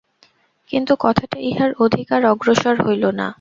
কিন্তু কথাটা ইহার অধিক আর অগ্রসর হইল না।